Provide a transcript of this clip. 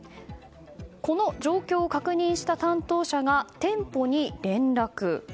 この状況を確認した担当者が店舗に連絡。